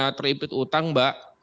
ya dari karena terimpit utang mbak